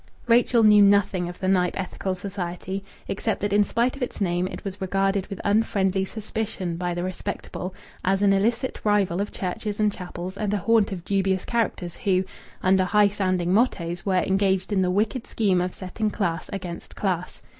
Rachel knew nothing of the Knype Ethical Society, except that in spite of its name it was regarded with unfriendly suspicion by the respectable as an illicit rival of churches and chapels and a haunt of dubious characters who, under high sounding mottoes, were engaged in the wicked scheme of setting class against class.